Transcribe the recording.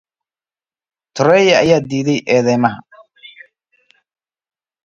Troye has denied the allegations.